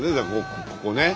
ここね。